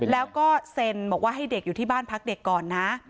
แล้วก็เซ็นบอกว่าให้เด็กอยู่ที่บ้านพักเด็กก่อนนะ